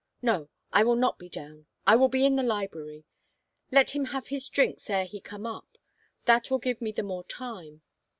No, I will not be down — I will be in the library. Let him have his drinks ere he come up ... that will give me the more time.